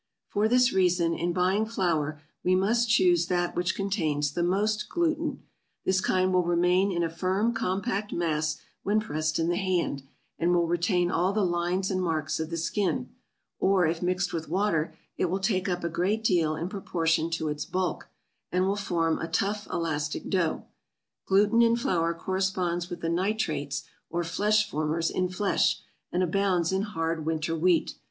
For this reason in buying flour we must choose that which contains the most gluten; this kind will remain in a firm, compact mass when pressed in the hand, and will retain all the lines and marks of the skin; or if mixed with water it will take up a great deal in proportion to its bulk, and will form a tough, elastic dough. Gluten in flour corresponds with the nitrates or flesh formers in flesh, and abounds in hard winter wheat.